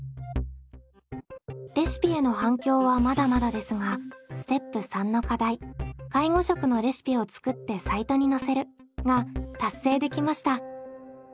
レシピへの反響はまだまだですがステップ３の課題介護食のレシピを作ってサイトにのせるが達成できました。